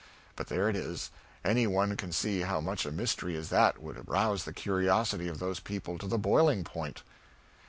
But there it is any one can see how such a mystery as that would arouse the curiosity of those people to the boiling point.